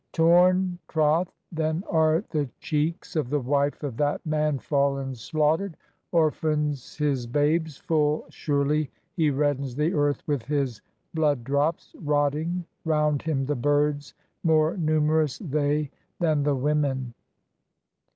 Torn, troth, then are the cheeks of the wife of that man fallen slaughtered, Orphans his babes, full surely he reddens the earth with his blood drops, Rotting, round him the birds, more numerous they than the women."